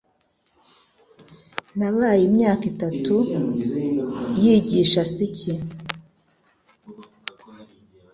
Nabaye imyaka itatu yigisha ski.